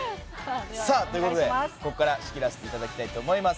さあ、ということでここから仕切らせていただきたいと思います。